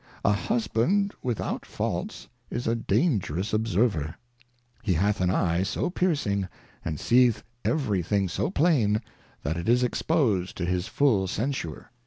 A Husband without Faults is a dangerous Observer; he hath an Eye so piercing, and seeth every thing so plain, that it is expos 'd to his full Censure.